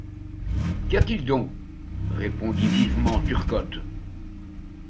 Qu’y a-t-il donc ? répondit vivement Turcotte